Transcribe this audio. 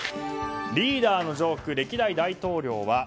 リーダーのジョーク歴代大統領は？